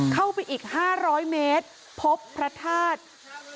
เข้าไปอีก๕๐๐เมตรพบพระธาตุ